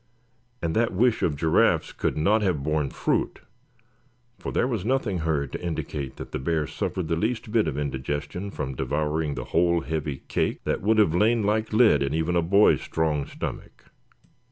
And that wish of Giraffe's could not have borne fruit, for there was nothing heard to indicate that the bear suffered the least bit of indigestion from devouring the whole heavy cake that would have lain like lead in even a boy's strong stomach.